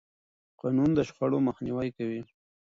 قانون د شخړو مخنیوی کوي.